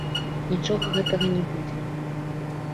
Нічога гэтага не будзе.